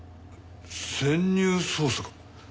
潜入捜査か。